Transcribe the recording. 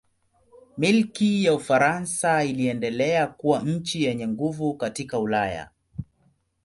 Milki ya Ufaransa iliendelea kuwa nchi yenye nguvu katika Ulaya.